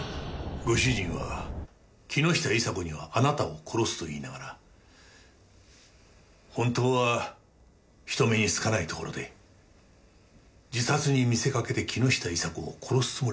ご主人は木下伊沙子にはあなたを殺すと言いながら本当は人目につかないところで自殺に見せかけて木下伊沙子を殺すつもりだった。